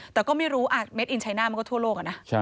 แต่ก็ไม่รู้เม็ดอินชัยหน้ามันก็ทั่วโลกอะนะ